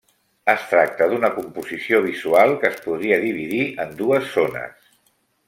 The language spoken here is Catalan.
Es tracta d'una composició visual que es podria dividir en dues zones.